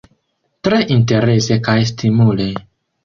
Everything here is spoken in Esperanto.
Tre interese kaj stimule.